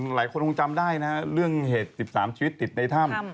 หลายคนคงจำได้นะเรื่องเหตุ๑๓ชีวิตติดในถ้ำ